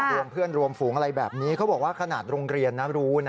รวมเพื่อนรวมฝูงอะไรแบบนี้เขาบอกว่าขนาดโรงเรียนนะรู้นะ